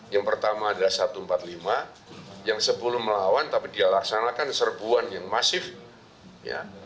yang pertama adalah satu ratus empat puluh lima yang sebelum melawan tapi dia laksanakan serbuan yang masif ya